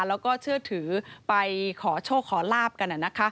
แล้วก็เชื่อถือไปขอโชคขอลาบกัน